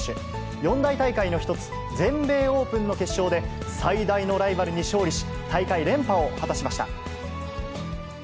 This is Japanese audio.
四大大会の一つ、全米オープンの決勝で、最大のライバルに勝利し、大会連覇を果たしました。